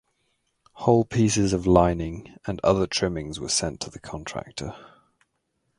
Whole pieces of lining and other trimmings were sent to the contractor.